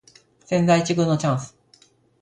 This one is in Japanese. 千載一遇のチャンス